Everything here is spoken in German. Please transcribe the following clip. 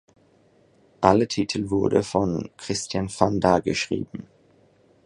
Alle Titel wurde von Christian Vander geschrieben.